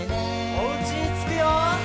おうちにつくよ！